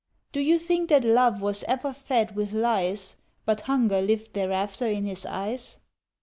Do you think that Love was ever fed with lies But hunger lived thereafter in his eyes